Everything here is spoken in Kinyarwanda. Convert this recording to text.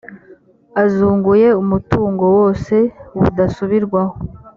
azunguye umutungo wose budasubirwaho